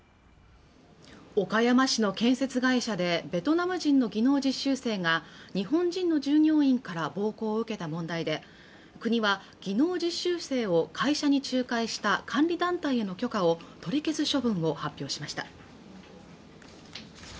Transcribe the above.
岡山市の建設会社でベトナム人の技能実習生が日本人の従業員から暴行を受けた問題で国は技能実習生を会社に仲介した監理団体の許可を取り消す処分を発表しました